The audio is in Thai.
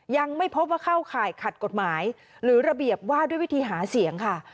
ยังไม่พบว่าเข้าข่ายขัดกฎหมายหรือระเบียบว่าด้วยวิธีหาเสียงค่ะ